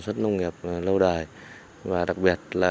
xuất nông nghiệp lâu đời và đặc biệt là